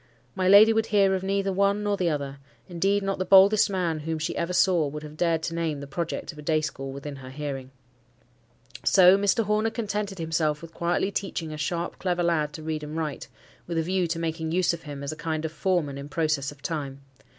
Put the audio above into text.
My lady would hear of neither one nor the other: indeed, not the boldest man whom she ever saw would have dared to name the project of a day school within her hearing. So Mr. Horner contented himself with quietly teaching a sharp, clever lad to read and write, with a view to making use of him as a kind of foreman in process of time.